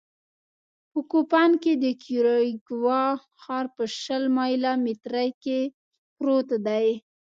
په کوپان کې د کیوریګوا ښار په شل مایله مترۍ کې پروت دی